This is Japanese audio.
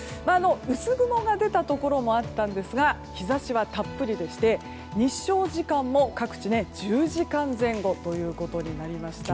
薄雲が出たところもあったんですが日差しはたっぷりでして日照時間も各地１０時間前後ということになりました。